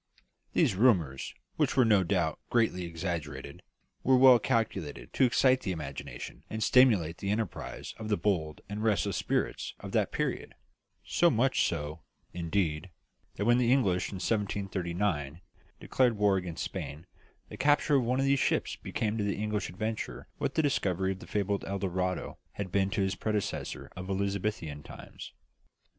These rumours, which were no doubt greatly exaggerated, were well calculated to excite the imagination and stimulate the enterprise of the bold and restless spirits of that period; so much so, indeed, that when the English, in 1739, declared war against Spain, the capture of one of these ships became to the English adventurer what the discovery of the fabled El Dorado had been to his predecessor of Elizabethan times.